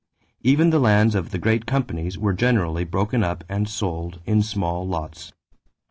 Even the lands of the great companies were generally broken up and sold in small lots.